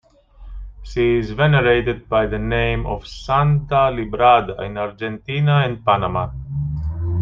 She is venerated by the name of Santa Librada, in Argentina and Panama.